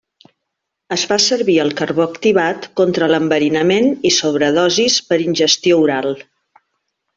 Es fa servir el carbó activat contra l'enverinament i sobredosis per ingestió oral.